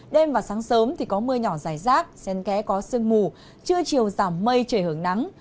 đêm và sáng sớm thì có mưa nhỏ rải rác xen ké có sương mù trưa chiều giảm mây trời hưởng nắng